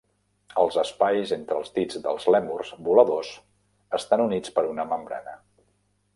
Els espais entre els dits del lèmurs voladors estan units per una membrana.